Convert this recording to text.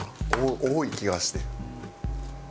多い気がして。